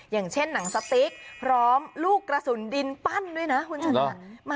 อย่างเช่นหนังสติ๊กพร้อมลูกกระสุนดินปั้นด้วยนะคุณชนะ